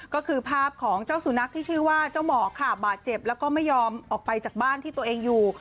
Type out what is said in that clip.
ก็คือภาพของเจ้าสุนัขที่ชื่อว่าเจ้าหมอกค่ะบาดเจ็บแล้วก็ไม่ยอมออกไปจากบ้านที่ตัวเองอยู่